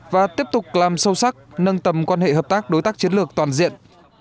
và tiếp tục làm sâu sắc nâng tầm quan hệ hợp tác đối tác chiến lược toàn diện